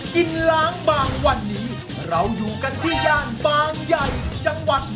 กินล้างบางวันนี้เราอยู่กันที่ย่านบางใหญ่จังหวัด